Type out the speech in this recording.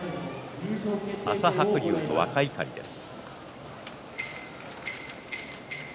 朝白龍と若碇です。